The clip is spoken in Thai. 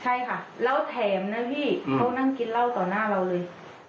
ใช่ค่ะแล้วแถมนะพี่เขานั่งกินเหล้าต่อหน้าเราเลย